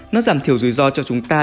nó giảm thiểu rủi ro cho chúng ta